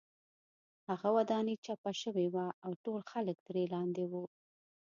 هغه ودانۍ چپه شوې وه او ټول خلک ترې لاندې وو